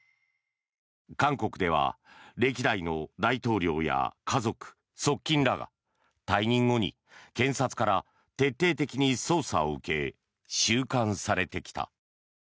韓国では歴代の大統領や家族側近らが退任後に検察から徹底的に捜査を受け収監されてきた。